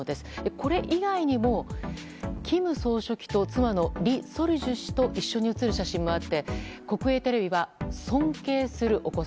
これ以外にも金総書記と妻のリ・ソルジュ氏と一緒に写る写真もあって国営テレビは尊敬するお子様